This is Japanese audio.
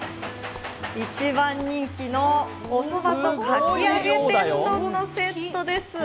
一番人気のそばとかきあげ天丼のセットです。